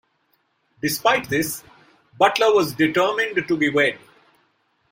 Despite this, Butler was determined to be wed.